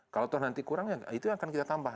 kalau nanti kurangnya itu akan kita tambah